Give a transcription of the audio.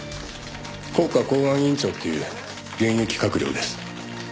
「国家公安委員長っていう現役閣僚です」